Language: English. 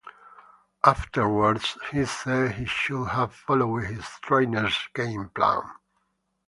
Afterwards he said he should have followed his trainer's game plan.